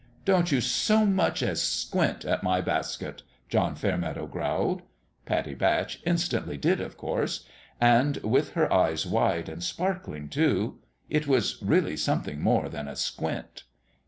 " Don't you so much as squint at my basket," John Fairmeadow growled. Pattie Batch instantly did, of course and with her eyes wide and sparkling, too. It was really something more than a squint.